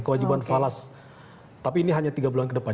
kewajiban falas tapi ini hanya tiga bulan ke depan